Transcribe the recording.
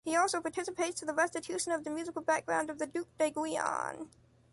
He also participates to the restitution of the musical background of the Ducs d’Aiguillon.